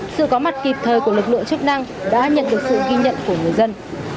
sự có mặt kịp thời của lực lượng chức năng đã nhận được sự ghi nhận của người dân